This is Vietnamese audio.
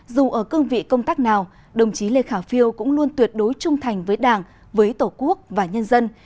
dù ở cương vị công tác nào đồng chí lê khả phiêu cũng luôn tuyệt đối trung thành với đảng với tổ quốc và nhân dân